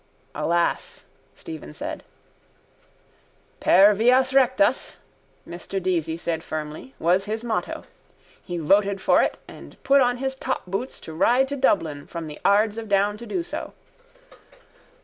—Alas, Stephen said. —Per vias rectas, Mr Deasy said firmly, was his motto. He voted for it and put on his topboots to ride to Dublin from the Ards of Down to do so.